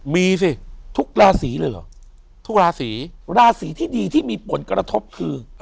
มีสิทุกลาสีเลยหรอลาสีที่ดีที่มีผลกระทบคือ